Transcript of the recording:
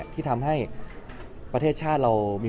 ที่ทำให้ประเทศชาติเรามี